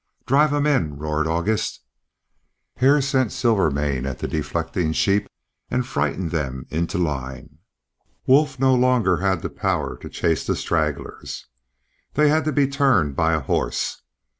"Drive them in!" roared August. Hare sent Silvermane at the deflecting sheep and frightened them into line. Wolf no longer had power to chase the stragglers; they had to be turned by a horse.